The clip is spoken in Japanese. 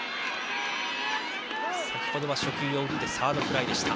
先程は初球を打ってサードフライでした。